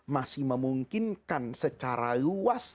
masih memungkinkan secara luas